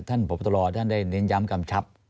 ท่านพ่อบอตรอท่านได้เน้นย้ำกรรมชับ